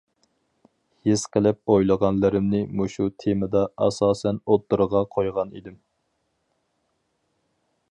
ھېس قىلىپ ئويلىغانلىرىمنى مۇشۇ تېمىدا ئاساسەن ئوتتۇرىغا قويغان ئىدىم.